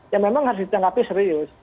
ya memang harus ditanggapi serius